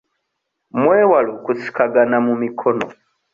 Mwewale okusikangana mu mikono.